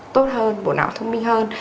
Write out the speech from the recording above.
tốt hơn bộ não thông minh hơn